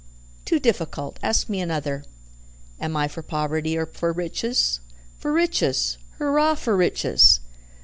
"Too difficult. Ask me another. Am I for poverty or for riches? For riches. Hurrah for riches!"